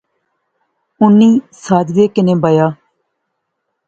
اُنی ساجدے کنے بایا